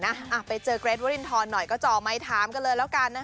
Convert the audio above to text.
อ่ะไปเจอกรี๊ดวัลลินทอนเหนื่อยก็จอไมค์ไทมกันแล้วกัน